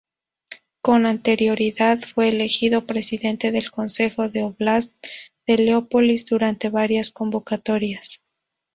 Con anterioridad, fue elegido presidente del Consejo de Óblast de Leópolis durante varias convocatorias.